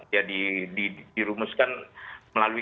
ya dirumuskan melalui